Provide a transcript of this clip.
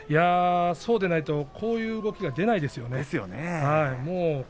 そうでないとこういう動きは出ないですよね。